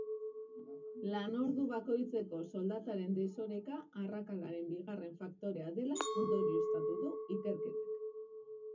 Lanordu bakoitzeko soldataren desoreka arrakalaren bigarren faktorea dela ondorioztatu du ikerketak.